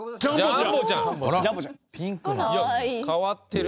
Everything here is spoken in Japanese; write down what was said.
変わってる。